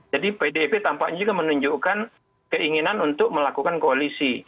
jadi pdip tampaknya juga menunjukkan keinginan untuk melakukan koalisi